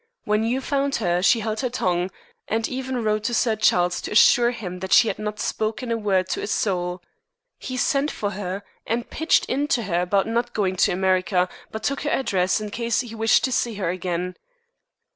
When you found her she held her tongue, and even wrote to Sir Charles to assure him that she had not spoken a word to a soul. He sent for her, and pitched into her about not going to America, but took her address in case he wished to see her again."